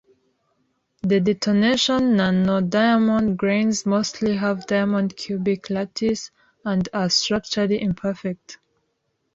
The detonation nanodiamond grains mostly have diamond cubic lattice and are structurally imperfect.